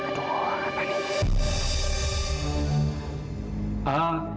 aduh apa nih